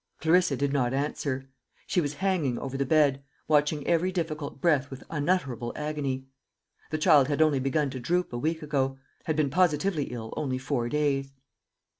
Clarissa did not answer. She was hanging over the bed, watching every difficult breath with unutterable agony. The child had only begun to droop a week ago, had been positively ill only four days.